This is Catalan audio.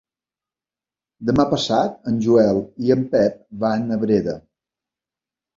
Demà passat en Joel i en Pep van a Breda.